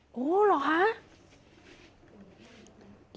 โอ้หรือหรือหรือ